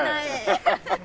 ハハハッ！